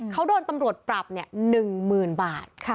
เขาโดนตำรวจปรับ๑๐๐๐บาท